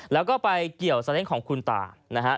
แล้วก็ไปเกี่ยวซาเล้งของคุณตานะฮะ